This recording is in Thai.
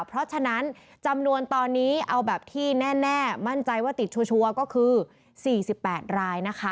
เพราะฉะนั้นจำนวนตอนนี้เอาแบบที่แน่มั่นใจว่าติดชัวร์ก็คือ๔๘รายนะคะ